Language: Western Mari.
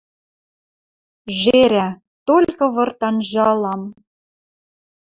Жерӓ! Толькы вырт анжалам —